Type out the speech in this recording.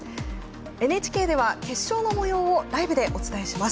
ＮＨＫでは決勝のもようをライブでお伝えします。